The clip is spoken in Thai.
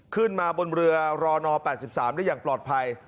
ขึ้นมาบนเรือรน๘๓ได้อย่างปลอดภัย